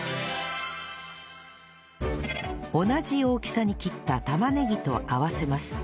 同じ大きさに切った玉ねぎと合わせます